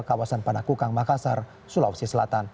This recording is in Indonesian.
kawasan panakukang makassar sulawesi selatan